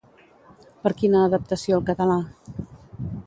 Per quina adaptació al català?